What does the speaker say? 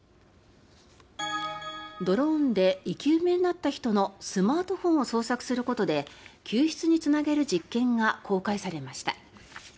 ドローンで生き埋めになった人のスマートフォンを捜索することで救出につなげる実験が公開されました。